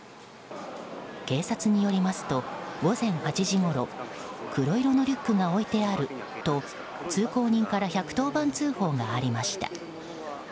警察によりますと午前８時ごろ黒色のリュックが置いてあると通行人から１１０番通報がありました。